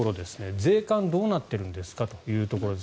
税関どうなっているんですかということです。